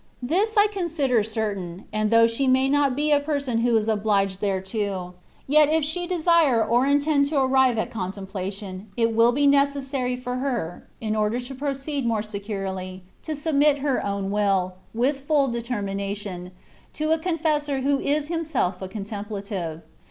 This I consider certain ; and though she may not be a person who is obliged thereto. 88 THE WAT OF PERFECTION* yet if she desire or intend to arrire at contempla tion^ it will be necessary for her (in order to pro ceed more securely) to submit her own wiU, with full determination^ to a confessor who is himself a contemplative.